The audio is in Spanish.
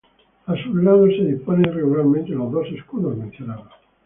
A sus lados se disponen irregularmente los dos escudos mencionados.